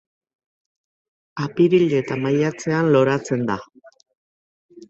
Apiril eta maiatzean loratzen da.